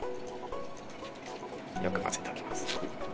よく混ぜておきます。